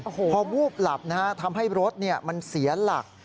พอวูบหลับนะฮะทำให้รถมันเสียหลัก